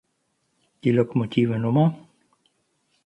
Die Lokomotive Nr.